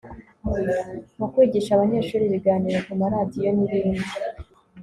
mu kwigisha abanyeshuri ibiganiro ku maradiyo n ibindi